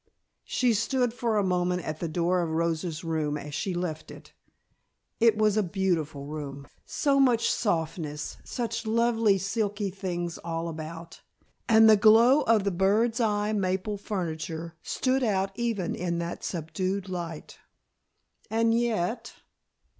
She stood for a moment at the door of Rosa's room as she left it. It was a beautiful room; so much softness, such lovely silky things all about, and the glow of the bird's eye maple furniture stood out even in that subdued light. And yet